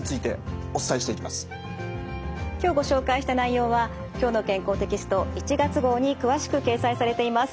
今日ご紹介した内容は「きょうの健康」テキスト１月号に詳しく掲載されています。